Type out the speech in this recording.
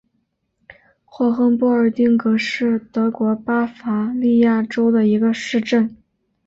霍亨波尔丁格是德国巴伐利亚州的一个市镇。